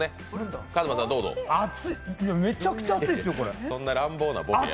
めちゃくちゃ熱いですよ、これ。